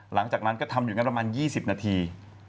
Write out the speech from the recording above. หลังจากนั้นก็ทำอยู่งั้นประมาณ๒๐นาที